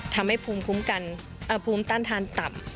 ทำให้ภูมิคุ้มกันภูมิต้านทานต่ำ